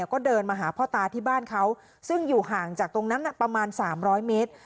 ก็เดินมาหาพ่อตาที่บ้านเขาซึ่งอยู่ห่างจากตรงนั้นประมาณ๓๐๐เมตร